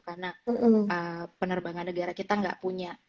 karena penerbangan negara kita nggak punya